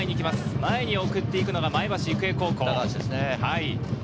前に送っていくのが前橋育英高校。